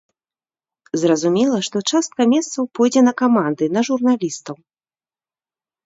Зразумела, што частка месцаў пойдзе на каманды, на журналістаў.